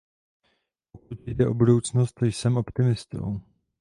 Pokud jde o budoucnost, jsem optimistou.